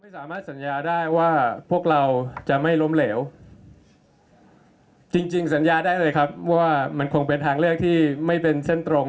สามารถสัญญาได้ว่าพวกเราจะไม่ล้มเหลวจริงจริงสัญญาได้เลยครับว่ามันคงเป็นทางเลือกที่ไม่เป็นเส้นตรง